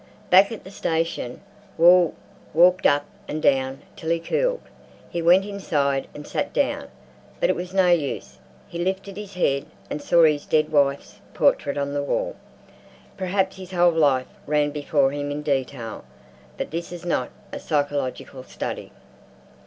Back at the station, Wall walked up and down till he cooled. He went inside and sat down, but it was no use. He lifted his head and saw his dead wife's portrait on the wall. Perhaps his whole life ran before him in detail—but this is not a psychological study.